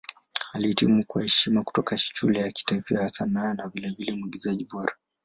Alihitimu kwa heshima kutoka Shule ya Kitaifa ya Sanaa na vilevile Mwigizaji Bora.